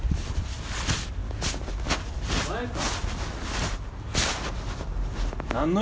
お前か。